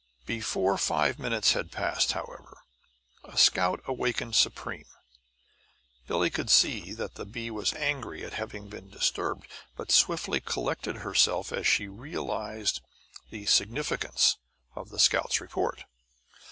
Before five minutes had passed, however, a scout awakened Supreme. Billie could see that the bee was angry at having been disturbed, but swiftly collected herself as she realized the significance of the scout's report.